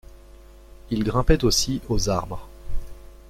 Il grimpait aussi aux arbres.